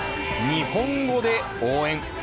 日本語で応援。